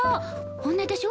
本音でしょ？